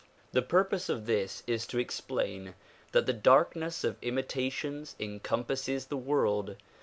The purpose of this is to explain that the darkness of imitations encompasses the world.